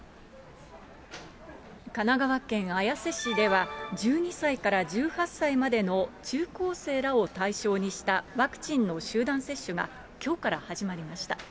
神奈川県綾瀬市では、１２歳から１８歳までの中高生らを対象にしたワクチンの集団接種が、きょうから始まりました。